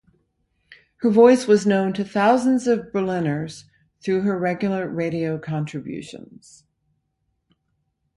Her voice was known to thousands of Berliners through her regular radio contributions.